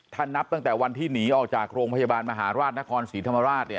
ถ้านับตั้งแต่วันที่หนีออกจากโรงพยาบาลมหาราชนครศรีธรรมราช